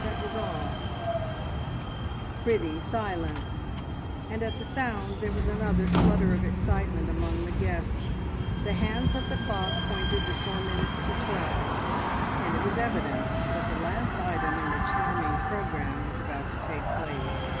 That was all "Prithee, silence!" and at the sound there was another flutter of excitement among the guests. The hands of the clock pointed to four minutes to twelve, and it was evident that the last item in the charming programme was about to take place.